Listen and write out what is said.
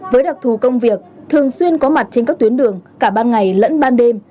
với đặc thù công việc thường xuyên có mặt trên các tuyến đường cả ban ngày lẫn ban đêm